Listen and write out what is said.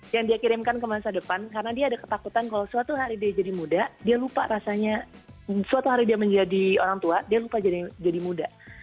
yang dia kirimkan ke masa depan karena dia ada ketakutan kalau suatu hari dia jadi muda dia lupa rasanya suatu hari dia menjadi orang tua dia lupa jadi muda